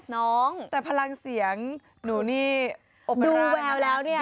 น้องแต่พลังเสียงหนูนี่ดูแววแล้วเนี่ย